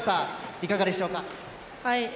いかがでしょうか。